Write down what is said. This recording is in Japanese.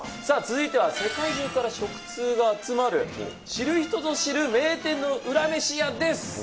さあ続いては世界中から食通が集まる知る人ぞ知る名店のウラ飯屋です。